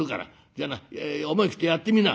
じゃあな思い切ってやってみな」。